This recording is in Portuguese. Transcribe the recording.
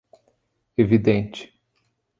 Evidente.